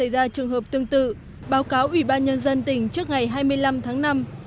ra trường hợp tương tự báo cáo ủy ban nhân dân tỉnh trước ngày hai mươi năm tháng năm